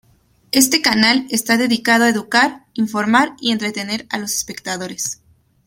Este canal está dedicado a educar, informar y entretener a los espectadores.